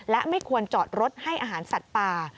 และไม่ควรจอดรถให้อาหารสัตว์ป่า